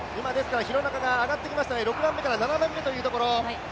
廣中が上がってきました、６番目から７番目というところ。